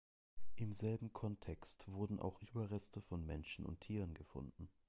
Im selben Kontext wurden auch Überreste von Menschen und Tieren gefunden.